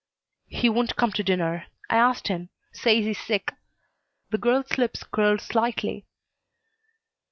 "He won't come to dinner. I asked him. Says he's sick." The girl's lips curled slightly.